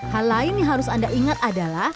hal lain yang harus anda ingat adalah